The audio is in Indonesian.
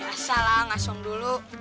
biasa lah ngasom dulu